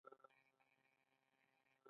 ایا زه باید خپل وزن کم کړم؟